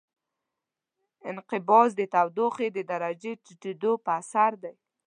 انقباض د تودوخې د درجې د ټیټېدو په اثر دی.